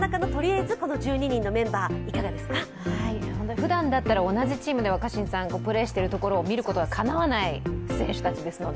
ふだんだったら同じチームでプレーしているところを見ることがかなわない選手たちですので。